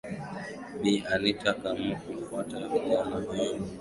Bi Anita akaamua kumfuata kijana huyo ili awe jasusi wake